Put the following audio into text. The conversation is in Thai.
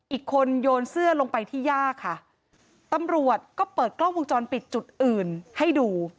อีกคนโยนเสื้อลงไปที่ย่าค่ะตำรวจก็เปิดกล้องวงจรปิดจุดอื่นให้ดู